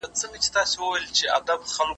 لوبې ملګرتیا زیاتوي.